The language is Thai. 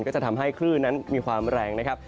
ก็จะทำให้คลื่นนั้นมีความแรงนะครับ